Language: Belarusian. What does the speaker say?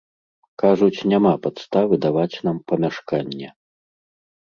Кажуць, няма падставы даваць нам памяшканне.